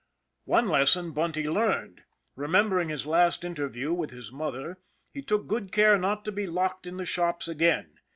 One lesson Bunty learned. Remembering his last interview with his mother, he took good care not to be locked in the shops again.